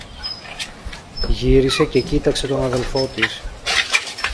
Γύρισε και κοίταξε τον αδελφό της.